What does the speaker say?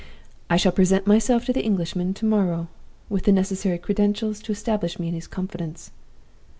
I shall present myself to the Englishman to morrow, with the necessary credentials to establish me in his confidence.